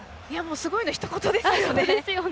すごいのひと言ですよね。